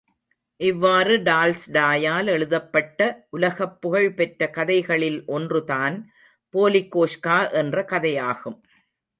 இவ்வாறு டால்ஸ்டாயால் எழுதப் பட்ட உலகப் புகழ் பெற்ற கதைகளில் ஒன்று தான் போலிகோஷ்கா என்ற கதையாகும்.